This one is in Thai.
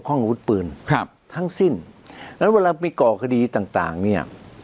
ครับทั้งสิ้นแล้วเวลาไปก่อคดีต่างต่างเนี้ย